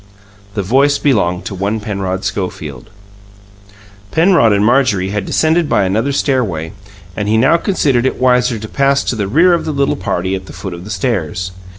This voice belonged to one Penrod Schofield. Penrod and Marjorie had descended by another stairway, and he now considered it wiser to pass to the rear of the little party at the foot of the stairs.